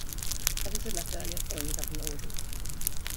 Others had left earlier following the government orders.